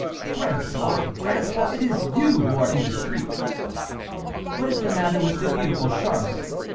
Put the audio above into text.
"François! François! it is you who are indiscreet." "What is the matter with the beautiful Charlotte?"